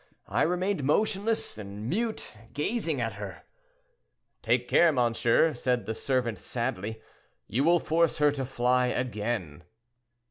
I remained motionless and mute, gazing at her. 'Take care, monsieur,' said the servant, sadly; 'you will force her to fly again.'